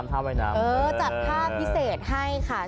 เออจัดภาพพิเศษให้ค่ะ